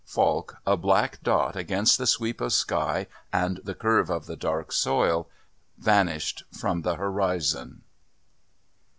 Falk, a black dot against the sweep of sky and the curve of the dark soil, vanished from the horizon.